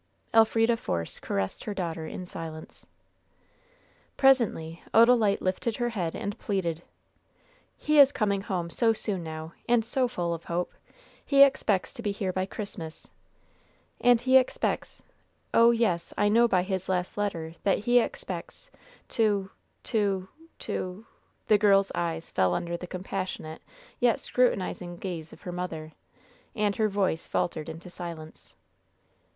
Elfrida Force caressed her daughter in silence. Presently Odalite lifted her head and pleaded: "He is coming home so soon now, and so full of hope! He expects to be here by Christmas; and he expects oh, yes, I know by his last letter that he expects to to to " The girl's eyes fell under the compassionate yet scrutinizing gaze of her mother, and her voice faltered into silence.